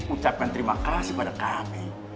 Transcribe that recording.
ucapkan terima kasih pada kami